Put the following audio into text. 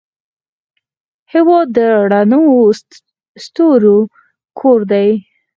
هېواد د رڼو ستورو کور دی.